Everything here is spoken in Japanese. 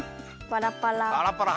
パラパラ。